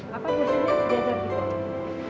apa disusunnya sudah jadi